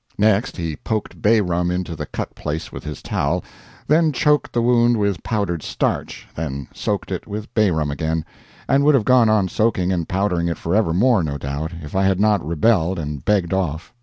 Next he poked bay rum into the cut place with his towel, then choked the wound with powdered starch, then soaked it with bay rum again, and would have gone on soaking and powdering it forevermore, no doubt, if I had not rebelled and begged off.